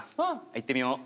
行ってみよう。